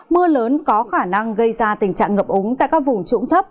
mưa lớn có khả năng gây ra tình trạng ngập úng tại các vùng trũng thấp